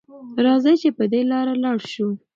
راځئ چې په دې لاره لاړ شو.